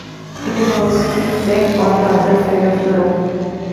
"It was" he said, "on the other side of the room.